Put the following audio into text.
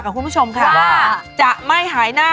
โว้ยเห็นจริงเห็นจริง